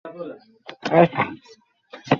মনে হয় তোমার বুঝতে ভুল হচ্ছে, ক্যাপ্টেন।